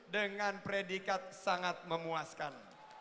dengan predikat sangat memuaskan